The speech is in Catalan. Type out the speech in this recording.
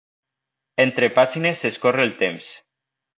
"Entre pàgines s'escorre el temps"